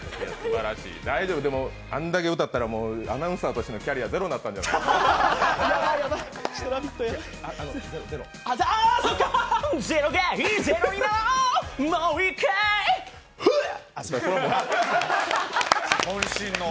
大丈夫、でもあんだけ歌ったらアナウンサーとしてのキャリアゼロになったんじゃないの。